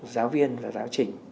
giáo viên và giáo trình